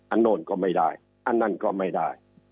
โน่นก็ไม่ได้อันนั้นก็ไม่ได้